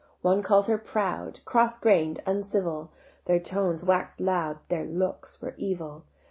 One call'd her proud, Cross grain'd, uncivil; Their tones wax'd loud, Their look were evil.